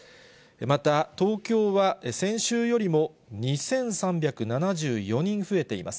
また、東京は、先週よりも２３７４人増えています。